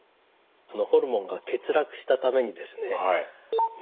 ホルモンが欠落したためにですね